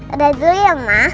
udah dulu ya ma